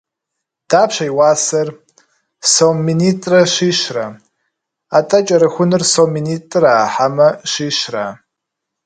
Дапщэ и уасэр? Сом минитӏрэ щищрэ. Атӏэ, кӏэрыхуныр сом минитӏра, хьэмэ щищра?